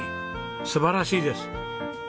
素晴らしいです！